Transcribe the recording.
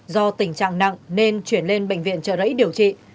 do tình trạng nặng nên chuyển lên bệnh viện trợ rẫy điều trị